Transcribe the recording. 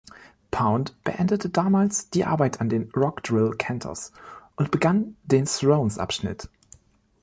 Pound beendete damals die Arbeit an den "Rock Drill"-"Cantos" und begann den "Thrones"-Abschnitt.